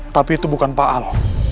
tapi itu bukan pak al